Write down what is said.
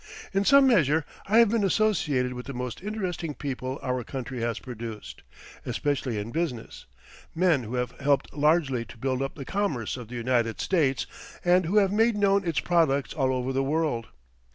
In some measure I have been associated with the most interesting people our country has produced, especially in business men who have helped largely to build up the commerce of the United States, and who have made known its products all over the world.